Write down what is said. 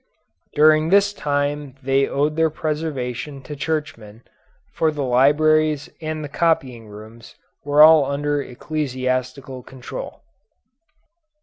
During this time they owed their preservation to churchmen, for the libraries and the copying rooms were all under ecclesiastical control.